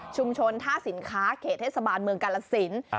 ชุมชนท่าสินค้าเขตเทสบานเมืองกละศิลป์